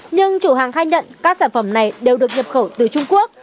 nhưng chủ hàng khai nhận các sản phẩm này đều được nhập khẩu từ trung quốc